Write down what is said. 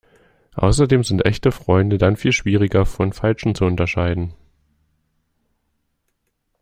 Außerdem sind echte Freunde dann viel schwieriger von falschen zu unterscheiden.